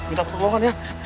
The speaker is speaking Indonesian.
minta pertolongan ya